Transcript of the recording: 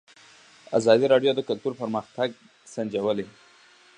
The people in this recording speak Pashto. ازادي راډیو د کلتور پرمختګ سنجولی.